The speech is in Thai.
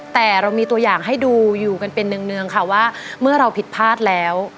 แต่เรามีตัวอย่างให้ดูอยู่กันเป็นเนืองค่ะว่าเมื่อเราผิดพลาดแล้ว